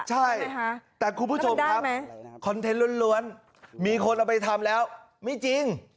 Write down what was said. ใช่แต่คุณผู้ชมครับคอนเทนต์ล้วนมีคนเอาไปทำแล้วไม่จริง